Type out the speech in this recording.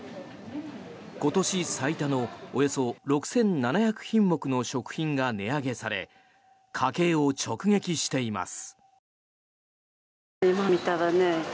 今年最多のおよそ６７００品目の食品が値上げされ家計を直撃しています。